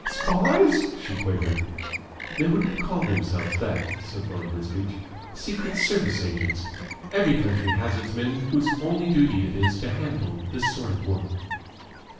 "Spies?" she quavered. "They wouldn't call themselves that," said Lord Wisbeach. "Secret Service agents. Every country has its men whose only duty it is to handle this sort of work."